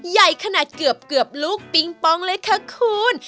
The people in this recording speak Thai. ใหญ่ขนาดเกือบลูกปิงปองเลยค่ะคุณ